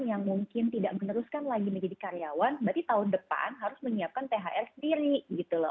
yang mungkin tidak meneruskan lagi menjadi karyawan berarti tahun depan harus menyiapkan thr sendiri gitu loh